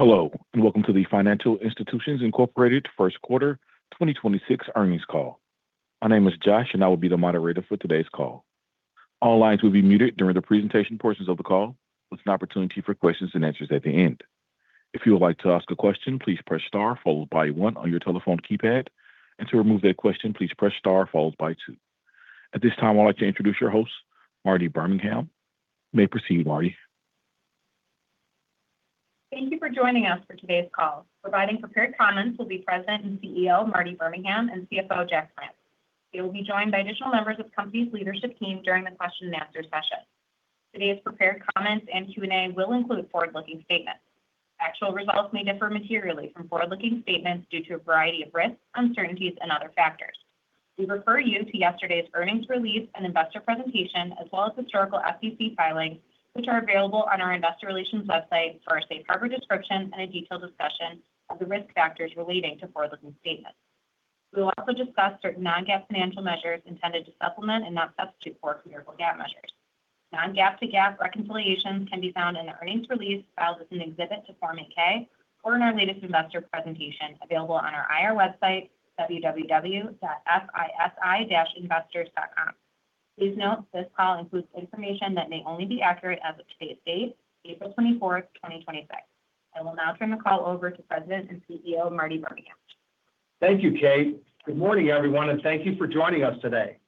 Hello, and welcome to the Financial Institutions, Inc. Q1 2026 Earnings Call. My name is Josh, and I will be the moderator for today's call. All lines will be muted during the presentation portions of the call, with an opportunity for Q&A at the end. If you would like to ask a question, please press star followed by one on your telephone keypad, and to remove that question, please press star followed by two. At this time, I'd like to introduce your host, Marty Birmingham. You may proceed, Marty. Thank you for joining us for today's call. Providing prepared comments will be President and Chief Executive Officer, Marty Birmingham, and Chief Executive Officer, Jack Plants. They will be joined by additional members of the company's leadership team during the Q&A session. Today's prepared comments and Q&A will include forward-looking statements. Actual results may differ materially from forward-looking statements due to a variety of risks, uncertainties, and other factors. We refer you to yesterday's earnings release and investor presentation, as well as historical SEC filings, which are available on our investor relations website for a safe harbor description and a detailed discussion of the risk factors relating to forward-looking statements. We will also discuss certain non-GAAP financial measures intended to supplement and not substitute for comparable GAAP measures. Non-GAAP to GAAP reconciliations can be found in the earnings release filed as an exhibit to Form 8-K or in our latest investor presentation, available on our IR website, www.fisi-investors.com. Please note this call includes information that may only be accurate as of today's date, April 24th, 2026. I will now turn the call over to President and Chief Executive Officer, Marty Birmingham. Thank you, Kate. Good morning, everyone, and thank you for joining us today.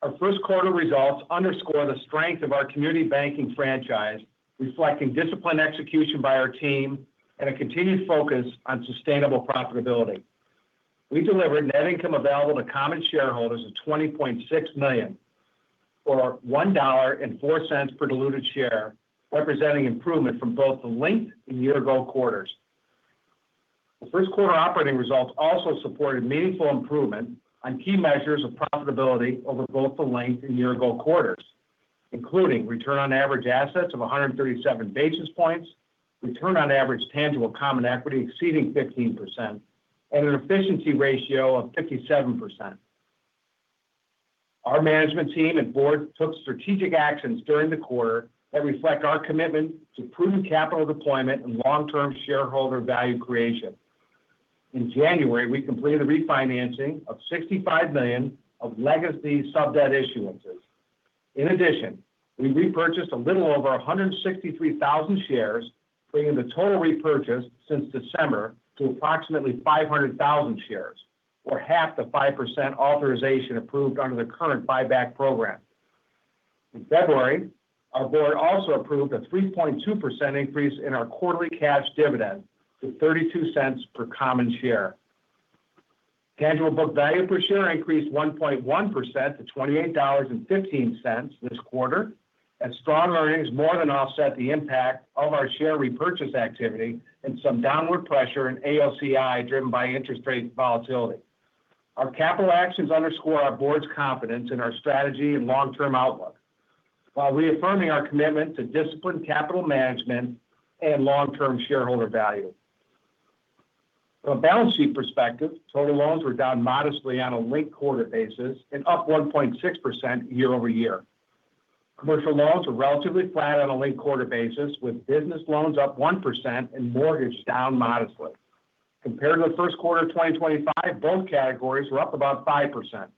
Our Q1 results underscore the strength of our community banking franchise, reflecting disciplined execution by our team and a continued focus on sustainable profitability. We delivered net income available to common shareholders of $20.6 million, or $1.04 per diluted share, representing improvement from both the linked and year-ago quarters. The Q1 operating results also supported meaningful improvement on key measures of profitability over both the linked and year-ago quarters, including return on average assets of 137 basis points, return on average tangible common equity exceeding 15%, and an efficiency ratio of 57%. Our management team and board took strategic actions during the quarter that reflect our commitment to prudent capital deployment and long-term shareholder value creation. In January, we completed the refinancing of $65 million of legacy sub debt issuances. In addition, we repurchased a little over 163,000 shares, bringing the total repurchase since December to approximately 500,000 shares or half the 5% authorization approved under the current buyback program. In February, our board also approved a 3.2% increase in our quarterly cash dividend to $0.32 per common share. Tangible book value per share increased 1.1% to $28.15 this quarter. Strong earnings more than offset the impact of our share repurchase activity and some downward pressure in AOCI driven by interest rate volatility. Our capital actions underscore our board's confidence in our strategy and long-term outlook while reaffirming our commitment to disciplined capital management and long-term shareholder value. From a balance sheet perspective, total loans were down modestly on a linked-quarter basis and up 1.6% year-over-year. Commercial loans were relatively flat on a linked-quarter basis, with business loans up 1% and mortgage down modestly. Compared to the Q1 of 2025, both categories were up about 5%. On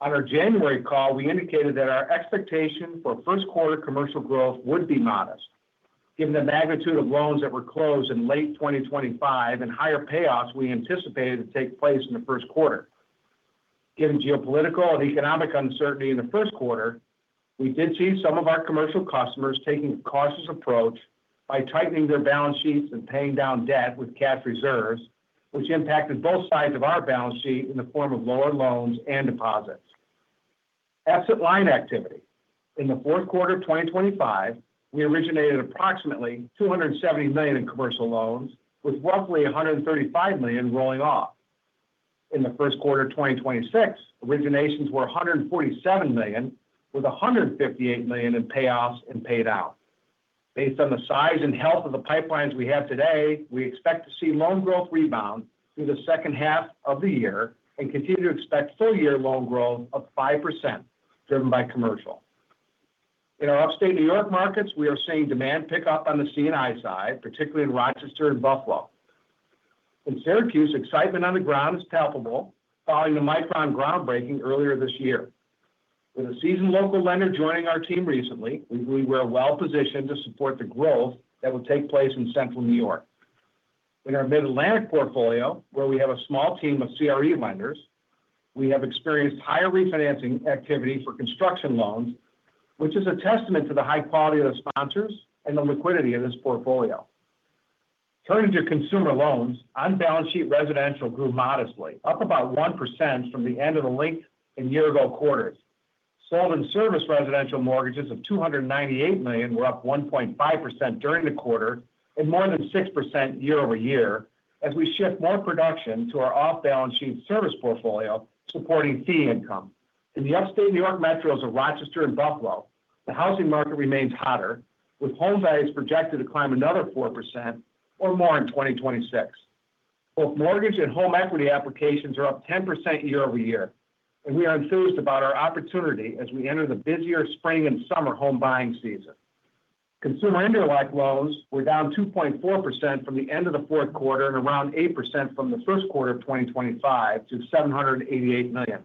our January call, we indicated that our expectation for Q1 commercial growth would be modest given the magnitude of loans that were closed in late 2025 and higher payoffs we anticipated to take place in the Q1. Given geopolitical and economic uncertainty in the Q1, we did see some of our commercial customers taking a cautious approach by tightening their balance sheets and paying down debt with cash reserves, which impacted both sides of our balance sheet in the form of lower loans and deposits. Asset line activity. In the Q4 of 2025, we originated approximately $270 million in commercial loans, with roughly $135 million rolling off. In the Q1 of 2026, originations were $147 million, with $158 million in payoffs and paid out. Based on the size and health of the pipelines we have today, we expect to see loan growth rebound through the second half of the year and continue to expect full year loan growth of 5%, driven by commercial. In our upstate New York markets, we are seeing demand pick up on the C&I side, particularly in Rochester and Buffalo. In Syracuse, excitement on the ground is palpable following the Micron groundbreaking earlier this year. With a seasoned local lender joining our team recently, we believe we are well positioned to support the growth that will take place in central New York. In our Mid-Atlantic portfolio, where we have a small team of CRE lenders, we have experienced higher refinancing activity for construction loans, which is a testament to the high quality of the sponsors and the liquidity of this portfolio. Turning to consumer loans, on-balance sheet residential grew modestly, up about 1% from the end of the linked-quarter and year-ago quarters. Sold and serviced residential mortgages of $298 million were up 1.5% during the quarter and more than 6% year-over-year, as we shift more production to our off-balance-sheet servicing portfolio supporting fee income. In the upstate New York metros of Rochester and Buffalo, the housing market remains hotter, with home values projected to climb another 4% or more in 2026. Both mortgage and home equity applications are up 10% year-over-year, and we are enthused about our opportunity as we enter the busier spring and summer home buying season. Consumer indirect loans were down 2.4% from the end of the Q4 and around 8% from the Q1 of 2024 to $788 million.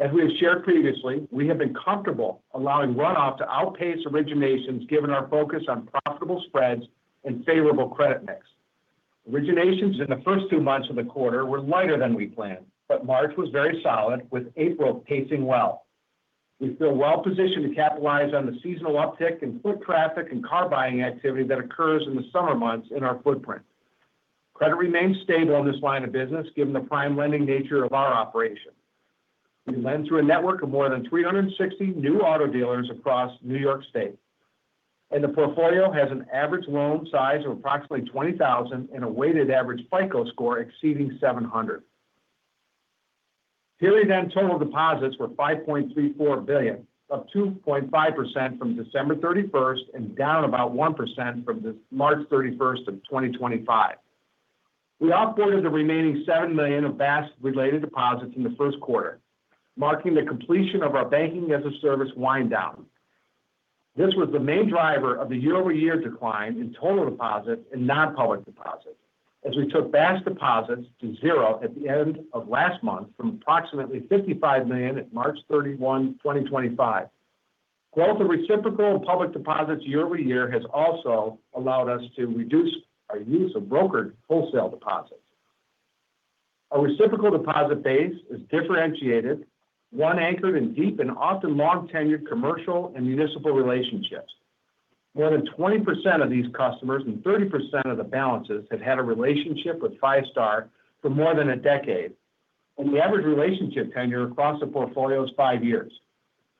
As we have shared previously, we have been comfortable allowing runoff to outpace originations given our focus on profitable spreads and favorable credit mix. Originations in the first two months of the quarter were lighter than we planned, but March was very solid, with April pacing well. We feel well positioned to capitalize on the seasonal uptick in foot traffic and car buying activity that occurs in the summer months in our footprint. Credit remains stable in this line of business, given the prime lending nature of our operation. We lend through a network of more than 360 new auto dealers across New York State, and the portfolio has an average loan size of approximately $20,000 and a weighted average FICO score exceeding 700. Period-end total deposits were $5.34 billion, up 2.5% from December 31st and down about 1% from March 31st of 2025. We off-boarded the remaining $7 million of BaaS related deposits in the Q1, marking the completion of our banking-as-a-service wind down. This was the main driver of the year-over-year decline in total deposits and nonpublic deposits, as we took BaaS deposits to zero at the end of last month from approximately $55 million at March 31, 2025. Growth in reciprocal public deposits year-over-year has also allowed us to reduce our use of brokered wholesale deposits. Our reciprocal deposit base is differentiated, one anchored in deep and often long tenured commercial and municipal relationships. More than 20% of these customers and 30% of the balances have had a relationship with Five Star for more than a decade, and the average relationship tenure across the portfolio is five years.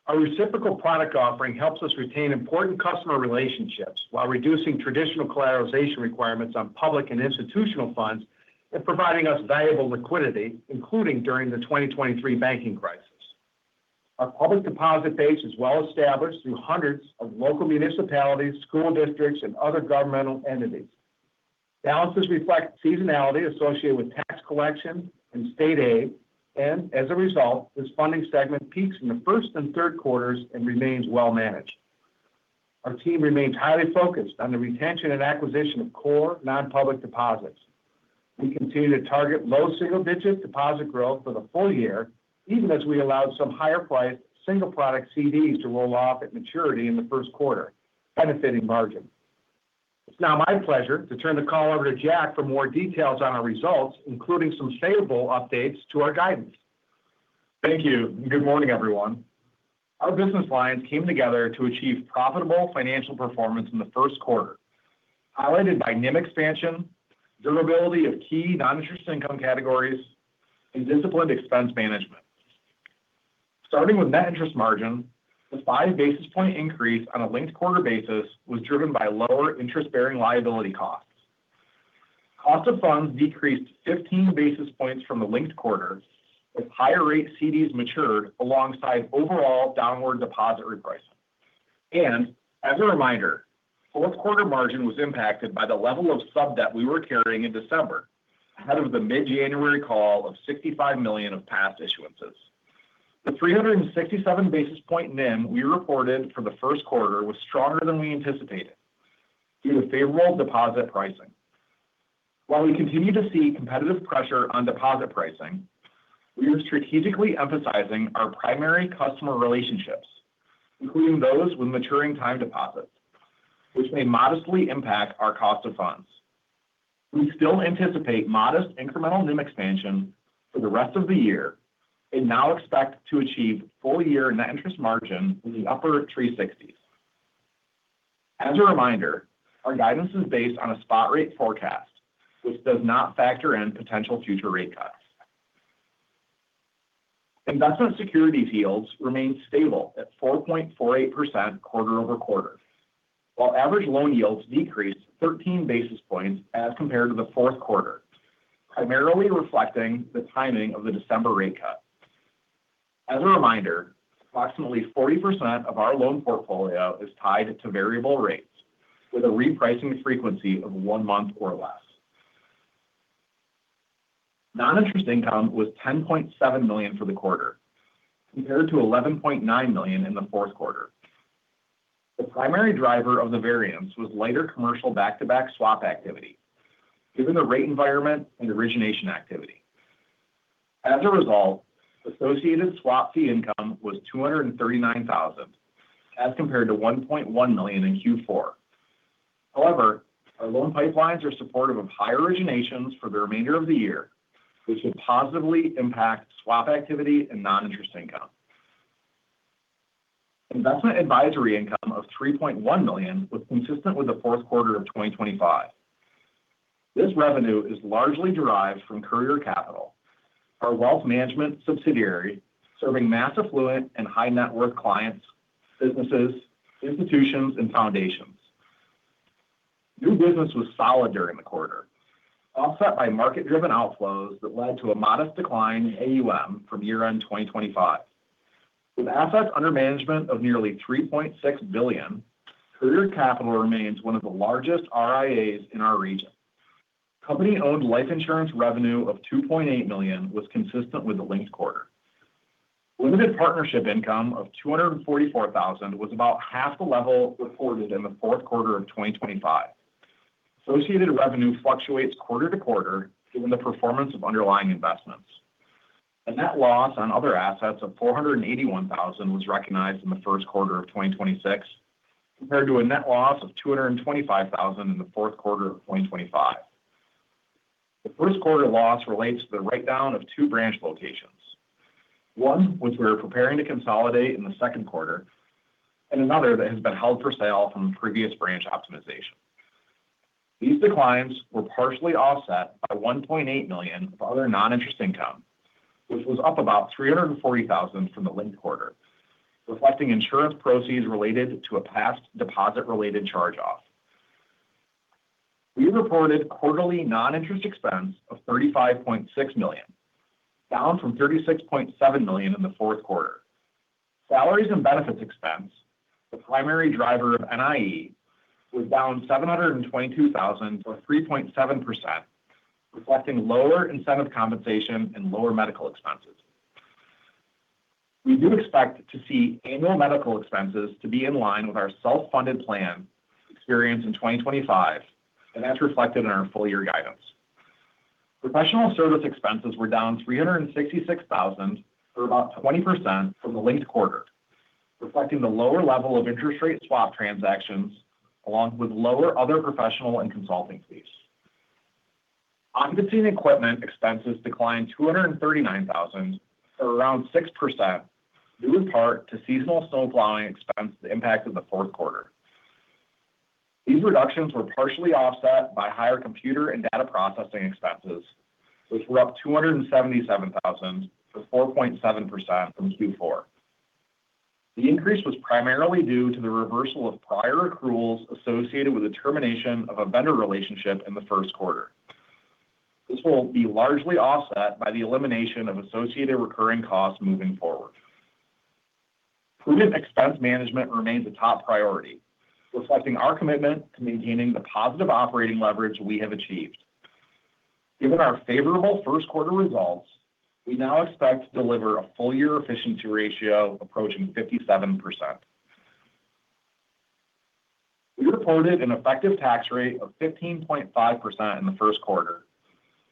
Our reciprocal product offering helps us retain important customer relationships while reducing traditional collateralization requirements on public and institutional funds and providing us valuable liquidity, including during the 2023 banking crisis. Our public deposit base is well established through hundreds of local municipalities, school districts and other governmental entities. Balances reflect seasonality associated with tax collection and state aid, and as a result, this funding segment peaks in the first and Q3s and remains well managed. Our team remains highly focused on the retention and acquisition of core nonpublic deposits. We continue to target low single-digit deposit growth for the full year, even as we allowed some higher priced single product CDs to roll off at maturity in the Q1, benefiting margin. It's now my pleasure to turn the call over to Jack for more details on our results, including some favorable updates to our guidance. Thank you. Good morning, everyone. Our business lines came together to achieve profitable financial performance in the Q1, highlighted by NIM expansion, durability of key non-interest income categories, and disciplined expense management. Starting with net interest margin, the 5 basis point increase on a linked quarter basis was driven by lower interest-bearing liability costs. Cost of funds decreased 15 basis points from the linked quarter as higher rate CDs matured alongside overall downward deposit repricing. As a reminder, Q4 margin was impacted by the level of sub debt we were carrying in December, ahead of the mid-January call of $65 million of past issuances. The 367 basis point NIM we reported for the Q1 was stronger than we anticipated due to favorable deposit pricing. While we continue to see competitive pressure on deposit pricing, we are strategically emphasizing our primary customer relationships, including those with maturing time deposits, which may modestly impact our cost of funds. We still anticipate modest incremental NIM expansion for the rest of the year and now expect to achieve full year net interest margin in the upper 360s. As a reminder, our guidance is based on a spot rate forecast, which does not factor in potential future rate cuts. Investment securities yields remained stable at 4.48% quarter-over-quarter, while average loan yields decreased 13 basis points as compared to the Q4, primarily reflecting the timing of the December rate cut. As a reminder, approximately 40% of our loan portfolio is tied to variable rates with a repricing frequency of one month or less. Non-interest income was $10.7 million for the quarter, compared to $11.9 million in the Q4. The primary driver of the variance was lighter commercial back-to-back swap activity, given the rate environment and origination activity. As a result, associated swap fee income was $239,000, as compared to $1.1 million in Q4. However, our loan pipelines are supportive of higher originations for the remainder of the year, which should positively impact swap activity and non-interest income. Investment advisory income of $3.1 million was consistent with the Q4 of 2025. This revenue is largely derived from Courier Capital, our wealth management subsidiary, serving mass affluent and high net worth clients, businesses, institutions and foundations. New business was solid during the quarter, offset by market-driven outflows that led to a modest decline in AUM from year-end 2025. With assets under management of nearly $3.6 billion, Courier Capital remains one of the largest RIAs in our region. Company-owned life insurance revenue of $2.8 million was consistent with the linked quarter. Limited partnership income of $244,000 was about half the level reported in the Q4 of 2025. Associated revenue fluctuates quarter to quarter given the performance of underlying investments. A net loss on other assets of $481,000 was recognized in the Q1 of 2026, compared to a net loss of $225,000 in the Q4 of 2025. The Q1 loss relates to the write-down of two branch locations, one which we are preparing to consolidate in the Q2, and another that has been held for sale from a previous branch optimization. These declines were partially offset by $1.8 million of other non-interest income, which was up about $340,000 from the linked quarter, reflecting insurance proceeds related to a past deposit-related charge-off. We reported quarterly non-interest expense of $35.6 million, down from $36.7 million in the Q4. Salaries and benefits expense, the primary driver of NIE, was down $722,000 or 3.7%, reflecting lower incentive compensation and lower medical expenses. We do expect to see annual medical expenses to be in line with our self-funded plan experience in 2025, and that's reflected in our full year guidance. Professional service expenses were down $366,000 or about 20% from the linked quarter, reflecting the lower level of interest rate swap transactions along with lower other professional and consulting fees. Occupancy and equipment expenses declined $239,000 or around 6%, due in part to seasonal snowplowing expense that impacted the Q4. These reductions were partially offset by higher computer and data processing expenses, which were up $277,000 to 4.7% from Q4. The increase was primarily due to the reversal of prior accruals associated with the termination of a vendor relationship in the Q1. This will be largely offset by the elimination of associated recurring costs moving forward. Prudent expense management remains a top priority, reflecting our commitment to maintaining the positive operating leverage we have achieved. Given our favorable Q1 results, we now expect to deliver a full year efficiency ratio approaching 57%. We reported an effective tax rate of 15.5% in the Q1,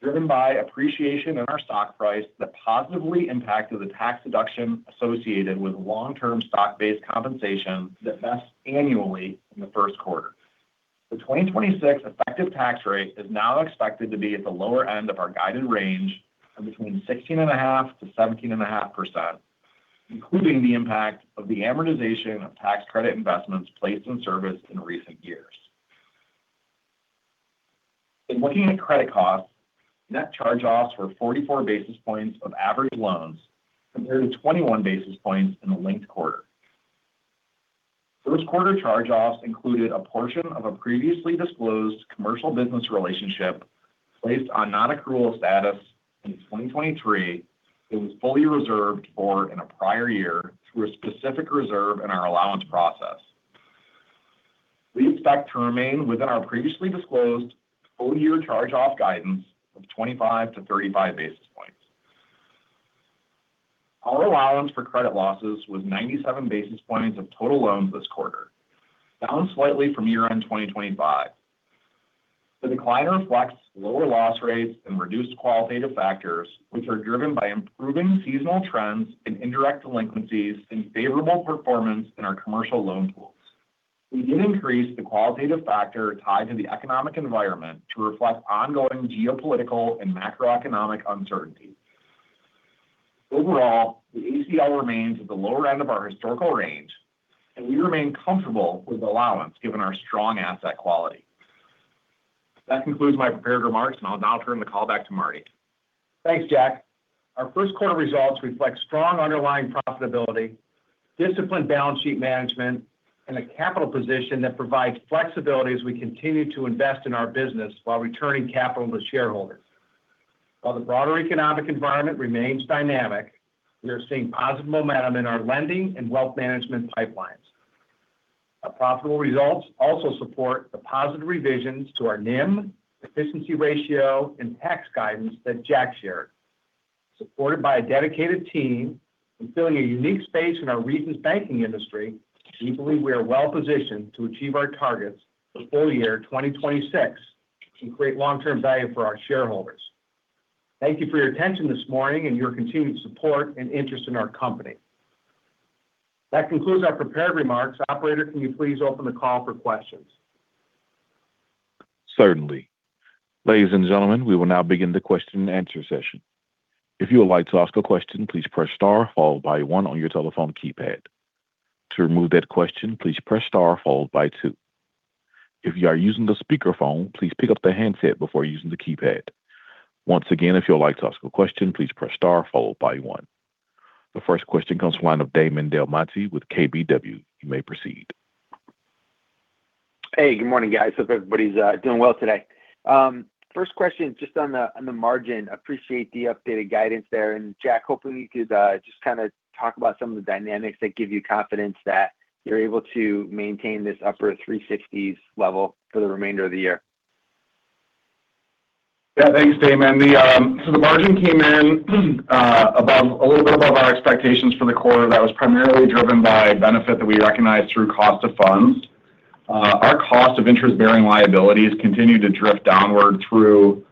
driven by appreciation in our stock price that positively impacted the tax deduction associated with long-term stock-based compensation that vests annually in the Q1. The 2026 effective tax rate is now expected to be at the lower end of our guided range of between 16.5%-17.5%, including the impact of the amortization of tax credit investments placed in service in recent years. In looking at credit costs, net charge-offs were 44 basis points of average loans compared to 21 basis points in the linked quarter. Q1 charge-offs included a portion of a previously disclosed commercial business relationship placed on non-accrual status in 2023 that was fully reserved for in a prior year through a specific reserve in our allowance process. We expect to remain within our previously disclosed full year charge-off guidance of 25 basis points to 35 basis points. Our allowance for credit losses was 97 basis points of total loans this quarter, down slightly from year-end 2025. The decline reflects lower loss rates and reduced qualitative factors which are driven by improving seasonal trends in indirect delinquencies and favorable performance in our commercial loan pools. We did increase the qualitative factor tied to the economic environment to reflect ongoing geopolitical and macroeconomic uncertainty. Overall, the ACL remains at the lower end of our historical range and we remain comfortable with allowance given our strong asset quality. That concludes my prepared remarks and I'll now turn the call back to Marty. Thanks, Jack. Our Q1 results reflect strong underlying profitability, disciplined balance sheet management, and a capital position that provides flexibility as we continue to invest in our business while returning capital to shareholders. While the broader economic environment remains dynamic, we are seeing positive momentum in our lending and wealth management pipelines. Our profitable results also support the positive revisions to our NIM efficiency ratio and tax guidance that Jack shared. Supported by a dedicated team and filling a unique space in our region's banking industry, we believe we are well positioned to achieve our targets for full year 2026 and create long-term value for our shareholders. Thank you for your attention this morning and your continued support and interest in our company. That concludes our prepared remarks. Operator, can you please open the call for questions? Certainly. Ladies and gentlemen, we will now begin the Q&A session. If you would like to ask a question, please press star followed by one on your telephone keypad. To remove that question, please press star followed by two. If you are using the speakerphone, please pick up the handset before using the keypad. Once again, if you would like to ask a question, please press star followed by one. The first question comes from the line of Damon DelMonte with KBW. You may proceed. Hey, good morning, guys. Hope everybody's doing well today. First question is just on the margin. Appreciate the updated guidance there. Jack, hopefully you could just talk about some of the dynamics that give you confidence that you're able to maintain this upper 360s level for the remainder of the year. Yeah, thanks, Damon. The margin came in a little bit above our expectations for the quarter. That was primarily driven by benefit that we recognized through cost of funds. Our cost of interest-bearing liabilities continued to drift downward through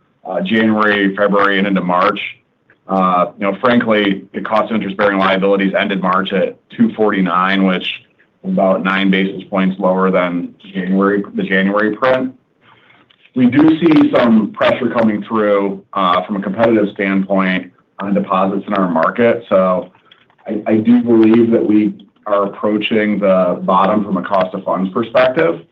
January, February, and into March. Frankly, the cost of interest-bearing liabilities ended March at 249, which was about 9 basis points lower than the January print. We do see some pressure coming through from a competitive standpoint on deposits in our market. I do believe that we are approaching the bottom from a cost of funds perspective.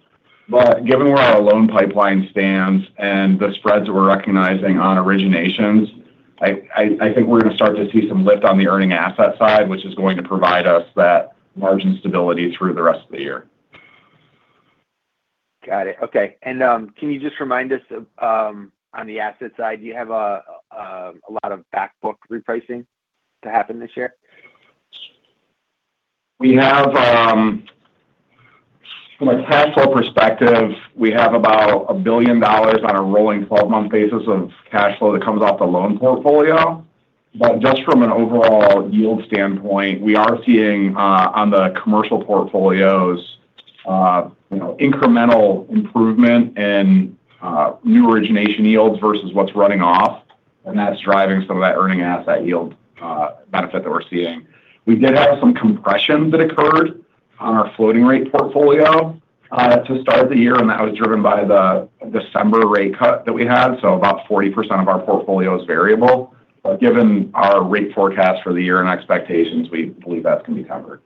Given where our loan pipeline stands and the spreads that we're recognizing on originations, I think we're going to start to see some lift on the earning asset side, which is going to provide us that margin stability through the rest of the year. Got it. Okay. Can you just remind us on the asset side, do you have a lot of back book repricing to happen this year? From a cash flow perspective, we have about $1 billion on a rolling 12-month basis of cash flow that comes off the loan portfolio. Just from an overall yield standpoint, we are seeing on the commercial portfolios incremental improvement in new origination yields versus what's running off, and that's driving some of that earning asset yield benefit that we're seeing. We did have some compressions that occurred on our floating rate portfolio to start the year, and that was driven by the December rate cut that we had. About 40% of our portfolio is variable. Given our rate forecast for the year and expectations, we believe that's going to be covered.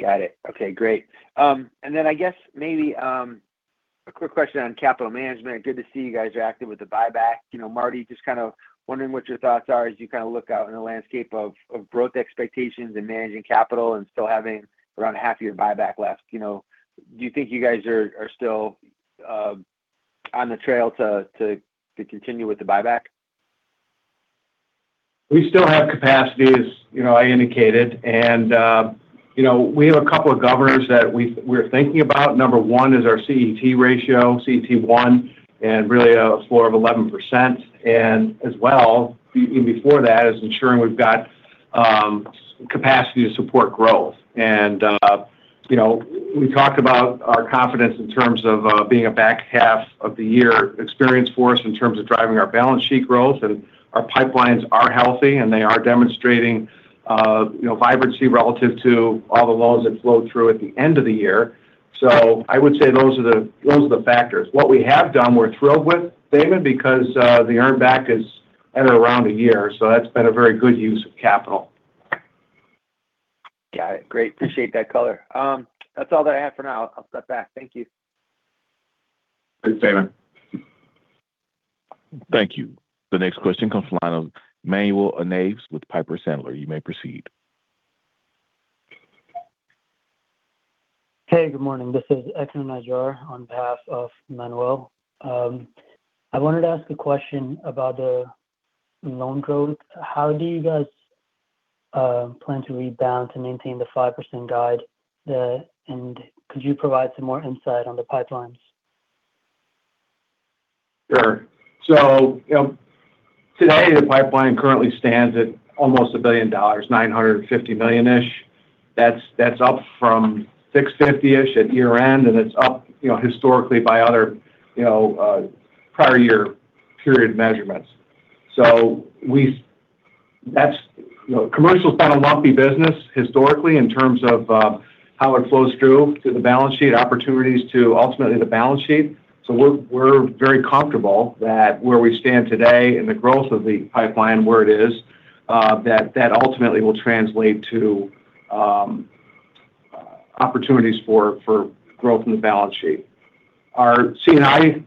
Got it. Okay, great. I guess maybe a quick question on capital management. Good to see you guys are active with the buyback. Marty, just kind of wondering what your thoughts are as you kind of look out in the landscape of growth expectations and managing capital and still having around half of your buyback left. Do you think you guys are still on track to continue with the buyback? We still have capacity, as I indicated. We have a couple of governors that we're thinking about. Number one is our CET1 ratio, CET1, and really a floor of 11%. As well, even before that, is ensuring we've got capacity to support growth. We talked about our confidence in terms of being a back half of the year experience for us in terms of driving our balance sheet growth. Our pipelines are healthy, and they are demonstrating vibrancy relative to all the loans that flow through at the end of the year. I would say those are the factors. What we have done, we're thrilled with, Damon, because the earn back is at around a year, so that's been a very good use of capital. Got it. Great. Appreciate that color. That's all that I have for now. I'll step back. Thank you. Thanks, Damon. Thank you. The next question comes from the line of Manuel Navas with Piper Sandler. You may proceed. Hey, good morning. This is Ahmad El Naggar on behalf of Manuel. I wanted to ask a question about the loan growth. How do you guys plan to rebound to maintain the 5% guide? Could you provide some more insight on the pipelines? Sure. Today the pipeline currently stands at almost a billion dollars, $950 million-ish. That's up from $650 million-ish at year-end, and it's up historically by other prior year period measurements. Commercial's been a lumpy business historically in terms of how it flows through to the balance sheet opportunities to ultimately the balance sheet. We're very comfortable that where we stand today and the growth of the pipeline where it is, that ultimately will translate to opportunities for growth in the balance sheet. Our C&I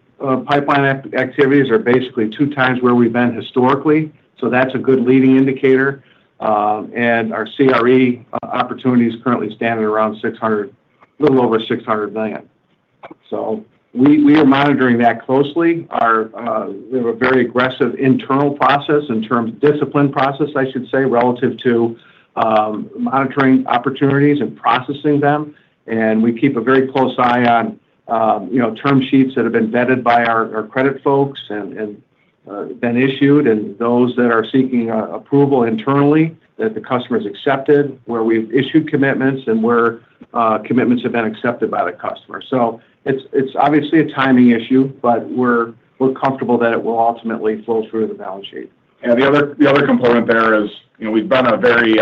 pipeline activities are basically two times where we've been historically, so that's a good leading indicator. Our CRE opportunity is currently standing a little over $600 million. We are monitoring that closely. We have a very aggressive internal process in terms of disciplined process, I should say, relative to monitoring opportunities and processing them. We keep a very close eye on term sheets that have been vetted by our credit folks and been issued, and those that are seeking approval internally that the customer's accepted, where we've issued commitments and where commitments have been accepted by the customer. It's obviously a timing issue, but we're comfortable that it will ultimately flow through to the balance sheet. The other component there is we've been a very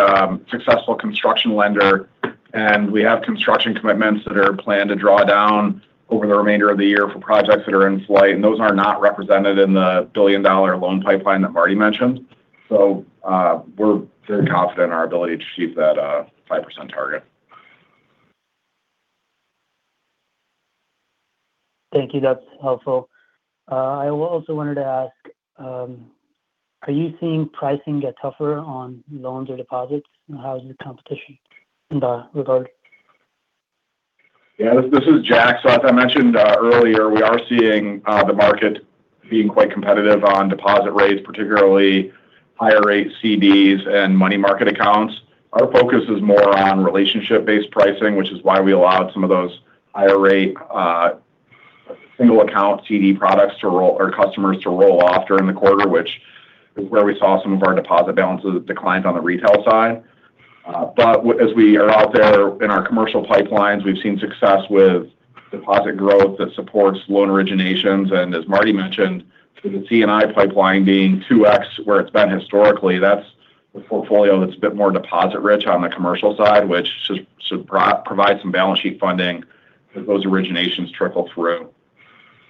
successful construction lender, and we have construction commitments that are planned to draw down over the remainder of the year for projects that are in flight, and those are not represented in the billion-dollar loan pipeline that Marty mentioned. We're very confident in our ability to achieve that 5% target. Thank you. That's helpful. I also wanted to ask, are you seeing pricing get tougher on loans or deposits? How is the competition in that regard? Yeah, this is Jack. As I mentioned earlier, we are seeing the market being quite competitive on deposit rates, particularly higher rate CDs and money market accounts. Our focus is more on relationship-based pricing, which is why we allowed some of those higher rate single account CD products or customers to roll off during the quarter, which is where we saw some of our deposit balances declined on the retail side. As we are out there in our commercial pipelines, we've seen success with deposit growth that supports loan originations. As Marty mentioned, with the C&I pipeline being 2x where it's been historically, that's the portfolio that's a bit more deposit rich on the commercial side, which should provide some balance sheet funding as those originations trickle through.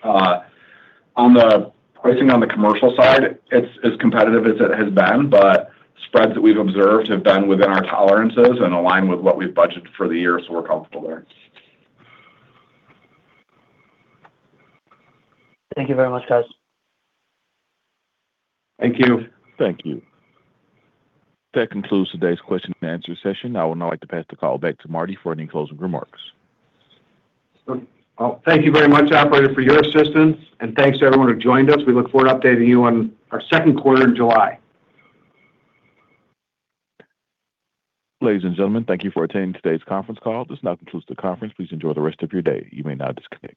On the pricing on the commercial side, it's as competitive as it has been, but spreads that we've observed have been within our tolerances and align with what we've budgeted for the year, so we're comfortable there. Thank you very much, guys. Thank you. Thank you. That concludes today's Q&A session. I would now like to pass the call back to Marty for any closing remarks. Well, thank you very much, operator, for your assistance, and thanks to everyone who joined us. We look forward to updating you on our Q2 in July. Ladies and gentlemen, thank you for attending today's conference call. This now concludes the conference. Please enjoy the rest of your day. You may now disconnect.